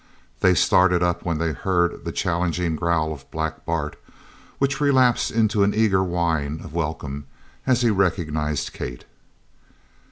They started up when they heard the challenging growl of Black Bart, which relapsed into an eager whine of welcome as he recognized Kate.